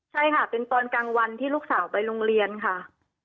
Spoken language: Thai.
ใช่ค่ะเป็นตอนกลางวันที่ลูกสาวไปโรงเรียนค่ะ